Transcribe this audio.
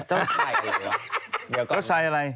เจ้าชายอะไรเหรอ